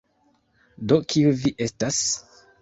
Do kiu vi estas?